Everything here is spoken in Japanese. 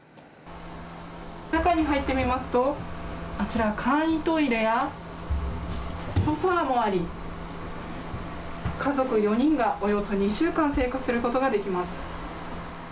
中に入ってみますと、あちら簡易トイレや、ソファもあり、家族４人がおよそ２週間生活することができます。